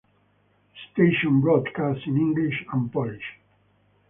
The station broadcast in English and Polish.